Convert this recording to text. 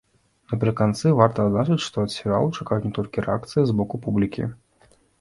Напрыканцы варта адзначыць, што ад серыялу чакаюць не толькі рэакцыі з боку публікі.